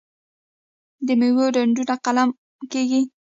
د میوو ډډونه قلم کیږي.